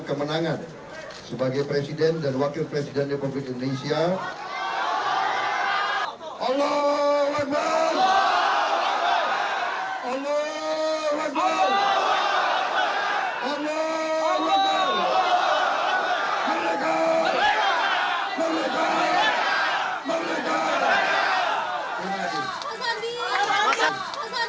kemenangan sebagai presiden dan wakil presiden depok indonesia allah wa ma'a allah wa ma'a allah